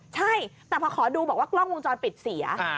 ใช่แต่พอขอดูบอกว่ากล้องวงจรปิดเสีย